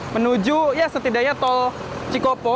menuju ya setidaknya tol cikopo